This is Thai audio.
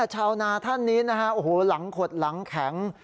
ชาวนาท่านนี้นะฮะโอ้โหหลังขดหลังแข็ง